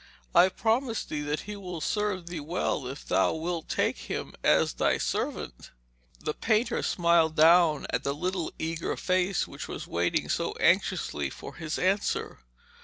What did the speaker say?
I promise thee that he will serve thee well if thou wilt take him as thy servant.' The painter smiled down at the little eager face which was waiting so anxiously for his answer.